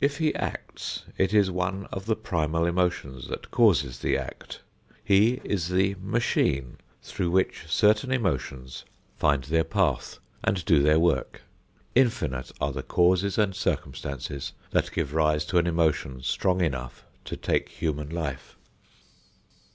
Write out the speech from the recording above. If he acts, it is one of the primal emotions that causes the act. He is the "machine" through which certain emotions find their path and do their work. Infinite are the causes and circumstances that give rise to an emotion strong enough to take human life.